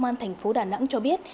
mạnh từ biển